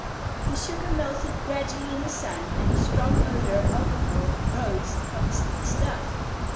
The sugar melted gradually in the sun, and a strong odor of alcohol rose from the sticky stuff.